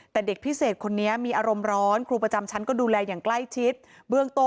แต่เด็กพิเศษคนนี้มีอารมณ์ร้อน